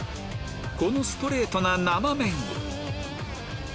このストレートな生麺を？